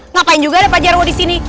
ngapain juga deh pak jarwo disini